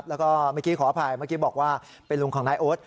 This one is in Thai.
แล้วก็เมื่อกี้ขออภัยเมื่อกี้บอกว่าเป็นลุงของนายโอ๊ต